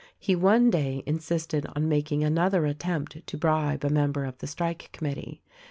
He one day insisted on making another attempt to bribe a member of the strike committee.